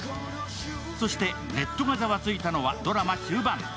そして、ネットがザワついたのはドラマ終盤。